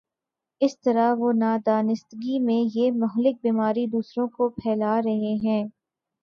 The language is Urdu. اس طرح وہ نادانستگی میں یہ مہلک بیماری دوسروں کو پھیلا رہے ہیں۔